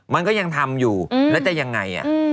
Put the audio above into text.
มันก็ยังทำอยู่แล้วจะยังไง